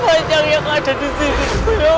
pocongnya kok ada disini